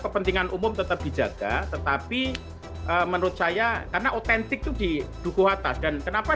kepentingan umum tetap dijaga tetapi menurut saya karena otentik itu di dukuh atas dan kenapa